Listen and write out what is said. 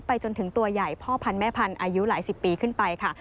จนถึงตัวใหญ่พ่อพันธุแม่พันธุ์อายุหลายสิบปีขึ้นไปค่ะ